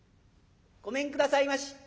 「ごめんくださいまし。